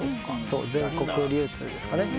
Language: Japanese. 全国流通ですかね。